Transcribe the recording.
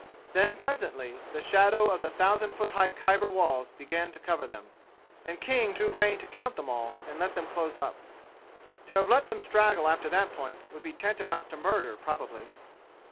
Then presently the shadow of the thousand foot high Khyber walls began to cover them, and King drew rein to count them all and let them close up. To have let them straggle after that point would be tantamount to murder probably.